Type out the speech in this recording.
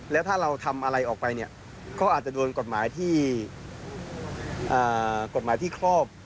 และถ้าเราทำอะไรออกไปก็จะโดนกฎหมายที่ครอบ